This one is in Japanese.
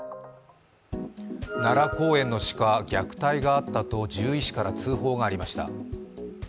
奈良公園の鹿、虐待があったと獣医師から通報がありました。